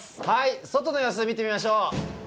外の様子、見てみましょう。